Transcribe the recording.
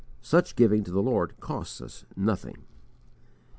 Such giving to the Lord _costs us nothing.